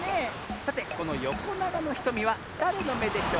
さてこのよこながのひとみはだれのめでしょうか？